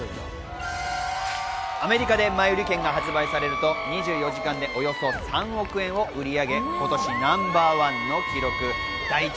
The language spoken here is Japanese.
アメリカで前売り券が発売されると、２４時間でおよそ３億円を売り上げ、今年ナンバーワンの記録です。